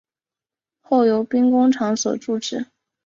后由兵工厂所铸制。